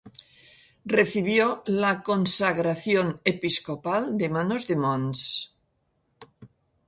Recibió la consagración episcopal de manos de Mons.